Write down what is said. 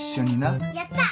やった！